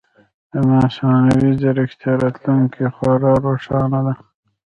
د مصنوعي ځیرکتیا راتلونکې خورا روښانه ده.